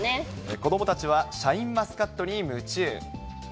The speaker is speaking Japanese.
子どもたちはシャインマスカットに夢中。